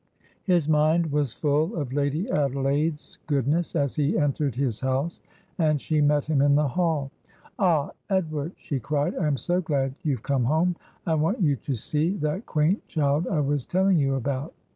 His mind was full of Lady Adelaide's goodness as he entered his house, and she met him in the hall. "Ah, Edward!" she cried, "I am so glad you've come home. I want you to see that quaint child I was telling you about."